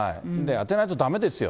当てないとだめですよ。